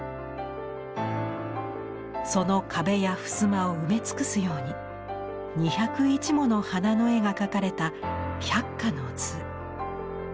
その壁やふすまを埋め尽くすように２０１もの花の絵が描かれた「百花図」。